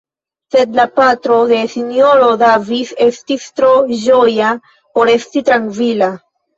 Sed la patro de S-ro Davis estis tro ĝoja por esti trankvila.